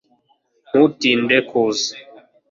ntutinde ku kazi